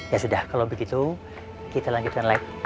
ya sudah kalau begitu kita lanjutkan lagi